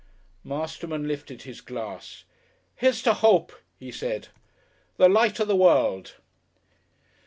Masterman lifted his glass. "Here's to Hope!" he said, "The Light of the World!"